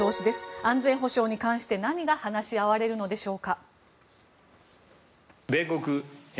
安全保障に関して何が話し合われるのでしょうか。